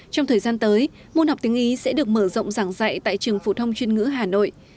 trong thời gian tới môn học tiếng ý sẽ được mở rộng giảng dạy tại trường phổ thông chuyên ngữ hà nội